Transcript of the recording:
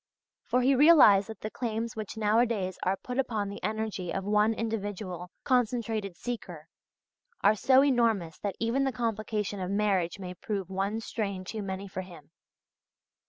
For he realized that the claims which nowadays are put upon the energy of one individual concentrated seeker, are so enormous that even the complication of marriage may prove one strain too many for him.